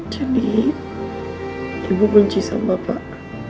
jadi ibu benci sama bapak